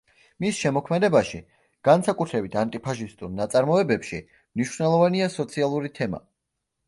მის შემოქმედებაში, განსაკუთრებით ანტიფაშისტურ ნაწარმოებებში, მნიშვნელოვანია სოციალური თემა.